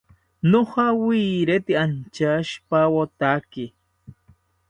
Nojawirite anchaishipawotake